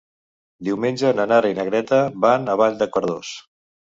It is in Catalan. Diumenge na Nara i na Greta van a Vall de Cardós.